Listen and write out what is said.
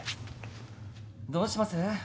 どうします？